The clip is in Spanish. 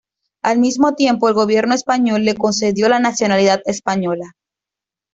Al mismo tiempo el gobierno español le concedió la nacionalidad española.